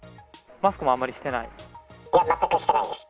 マスクもあまりしてない？